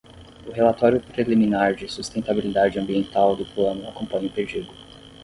O relatório preliminar de sustentabilidade ambiental do plano acompanha o pedido.